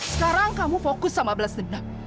sekarang kamu fokus sama belas dendam